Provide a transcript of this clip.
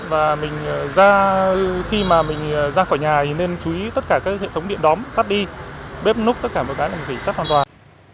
và mình ra khi mà mình ra khỏi nhà thì nên chú ý tất cả các hệ thống điện đóng tắt đi bếp núp tất cả mọi cái tắt hoàn toàn